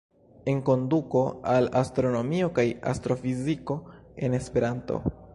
"Enkonduko al astronomio kaj astrofiziko" - en Esperanto!